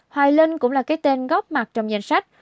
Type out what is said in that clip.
hoài linh cũng là cái tên góp mặt trong danh sách